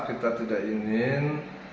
kita tidak ingin